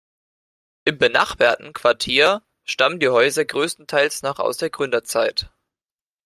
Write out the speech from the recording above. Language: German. Im benachbarten Quartier stammen die Häuser größtenteils noch aus der Gründerzeit.